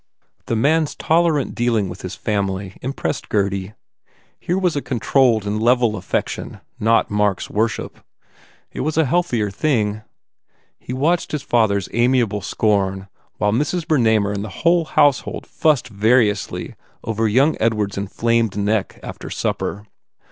The man s tolerant dealing with his family im pressed Gurdy. Here was a controlled and level affection, not Mark s worship. It was * healthier 246 BUBBLE thing. He watched his father s amiable scorn while Mrs. Bernamer and the whole household fussed variously over young Edward s inflamed neck after supper.